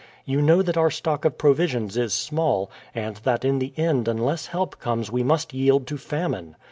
You know that our stock of provisions is small, and that in the end unless help comes we must yield to famine.